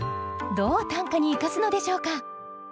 どう短歌に生かすのでしょうか？